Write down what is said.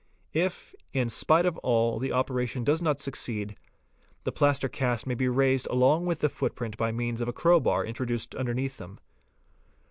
If, in spite of all, the operation does not succeed, the plaster cast must be raised along with the footprint by means of a crowbar introduced under neath them.